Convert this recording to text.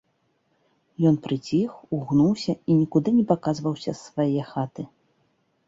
Ён прыціх, угнуўся і нікуды не паказваўся з свае хаты.